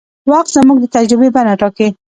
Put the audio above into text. وخت زموږ د تجربې بڼه ټاکي.